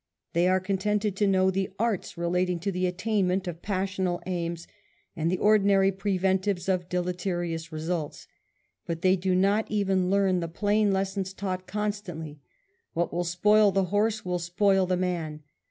They are contented to know the arts relating to the attainment of passional aims, and the ordinary preventives of deleterious results ; but they do not even learn the plain lessons taught constantly : what will spoil the horse will spoil the man.